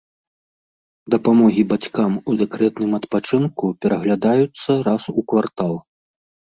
Дапамогі бацькам у дэкрэтным адпачынку пераглядаюцца раз у квартал.